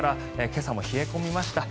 今朝も冷え込みました。